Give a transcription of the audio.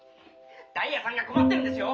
ダイヤさんが困ってるんですよ！